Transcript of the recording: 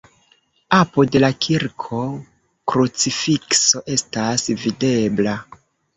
Apud la kirko krucifikso estas videbla.